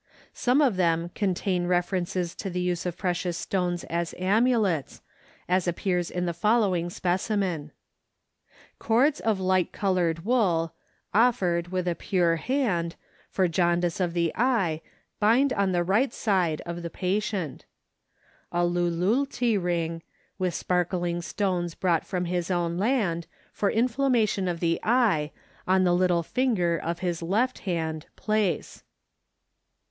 Some of them contain references to the use of precious stones as amulets, as appears in the following specimen: Cords of light colored wool, Offered (?) with a pure hand, For jaundice of the eye, Bind on the right side (of the patient). A lululti ring, with sparkling stones Brought from his own land, For inflammation of the eye, On the little finger Of his left (hand), place.